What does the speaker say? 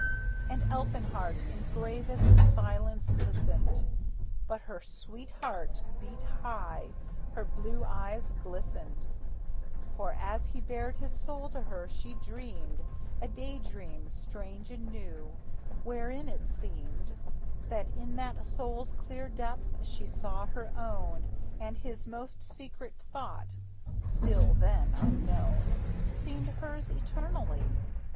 And Elfinhart in gravest silence listened, But her sweet heart beat high, her blue eyes glistened; For as he bared his soul to her she dreamed A day dream strange and new, wherein it seemed That in that soul's clear depth she saw her own, And his most secret thought (till then unknown) Seemed hers eternally.